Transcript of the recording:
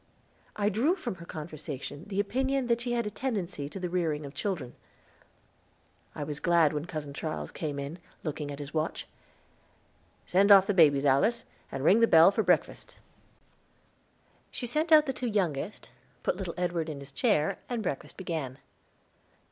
I drew from her conversation the opinion that she had a tendency to the rearing of children. I was glad when Cousin Charles came in, looking at his watch. "Send off the babies, Alice, and ring the bell for breakfast." She sent out the two youngest, put little Edward in his chair, and breakfast began.